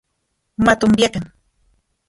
Matonbiakan